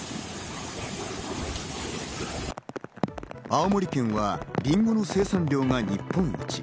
青森県はりんごの生産量が日本一。